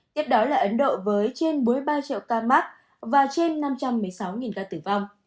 tiếp đó là ấn độ với trên bốn mươi ba triệu ca mắc và trên năm trăm một mươi sáu ca tử vong